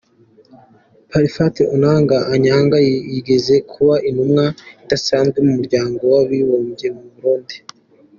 Parfait Onanga-Anyanga yigeze kuba intumwa idasanzwe y’Umuryango w’Abibumbye mu Burundi.